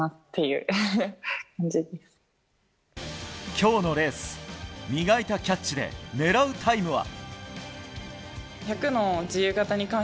今日のレース磨いたキャッチで狙うタイムは。